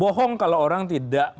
bohong kalau orang tidak